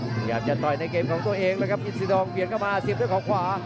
พยายามจะต่อยในเกมของตัวเองแล้วครับอินซีดองเบียนเข้ามาเสียบด้วยเขาขวา